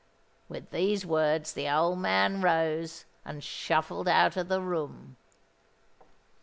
With these words the old man rose, and shuffled out of the room.